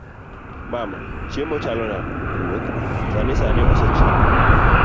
mama; chiemo chalo nade? ruoth; sani sani osechiek